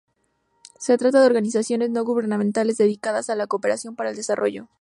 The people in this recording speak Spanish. Se trata de organizaciones no gubernamentales dedicadas a la cooperación para el desarrollo.